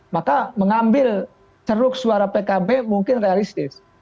maka mengambil ceruk suara pkb mungkin realistis